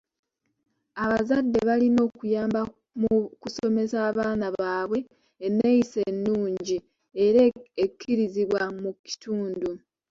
Abazadde balina okuyamba mu kusomesa abaana baabwe enneyisa ennungi era ekirizibwa mu kitundu.